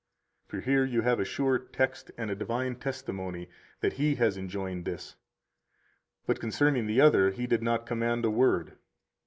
For here you have a sure text and a divine testimony that He has enjoined this; but concerning the other He did not command a word.